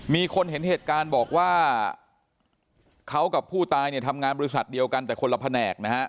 มีคนเห็นเหตุการณ์บอกว่าเขากับผู้ตายเนี่ยทำงานบริษัทเดียวกันแต่คนละแผนกนะฮะ